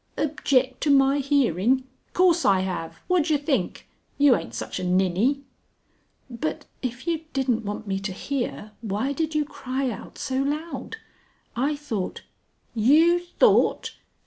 "Object to my hearing! Course I have! Whad yer think? You aint such a Ninny...." "But if ye didn't want me to hear, why did you cry out so loud? I thought...." "_You thought!